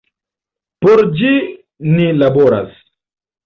Por ĝi ni laboras.